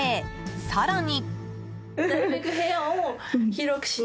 更に。